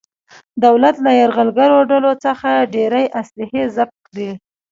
دولت له یرغلګرو ډولو څخه ډېرې اصلحې ضبط کړلې.